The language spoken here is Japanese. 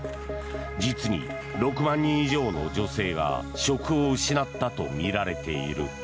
実に６万人以上の女性が職を失ったとみられている。